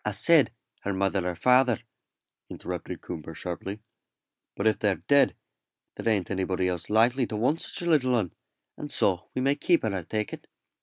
"I said her mother or father," interrupted Coomber, sharply; "but if they're dead, there ain't anybody else likely to want such a little 'un, and so we may keep her, I take it.